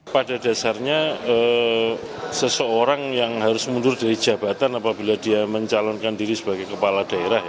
pada dasarnya seseorang yang harus mundur dari jabatan apabila dia mencalonkan diri sebagai kepala daerah